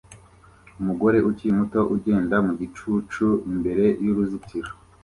Umugore ukiri muto ugenda mu gicucu imbere yuruzitiro